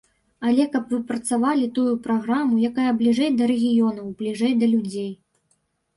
Але каб выпрацавалі тую праграму, якая бліжэй да рэгіёнаў, бліжэй да людзей.